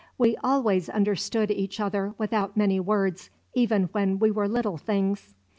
We always understood each other without many words, even when we were little things.